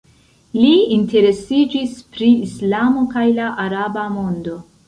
Li interesiĝis pri Islamo kaj la araba mondo.